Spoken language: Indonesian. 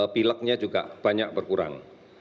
pileknya juga banyak berkurang